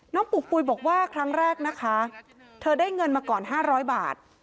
ปู่ปุ๋ยบอกว่าครั้งแรกนะคะเธอได้เงินมาก่อน๕๐๐บาท